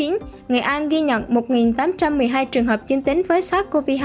nghệ an ghi nhận một tám trăm một mươi hai trường hợp dương tính với sars cov hai